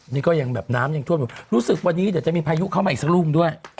นี่ก็ยังแบบน้ำยังท่วมอยู่รู้สึกวันนี้เดี๋ยวจะมีพายุเข้ามาอีกสักลูกด้วย